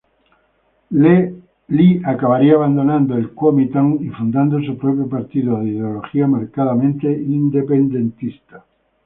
Lee acabaría abandonando el Kuomintang y fundando su propio partido de ideología marcadamente independentista.